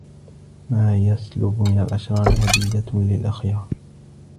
ما يسلب من الأشرار هدية للأخيار.